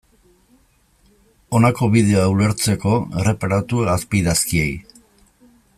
Honako bideoa ulertzeko, erreparatu azpiidazkiei.